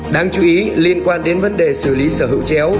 đáng chú ý liên quan đến vấn đề xử lý sở hữu chéo